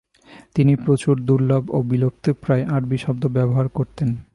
তিনি প্রচুর দুর্লভ ও বিলুপ্তপ্রায় আরবি শব্দ ব্যবহার করতেন।